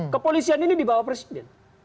kepolisian ini dibawa presiden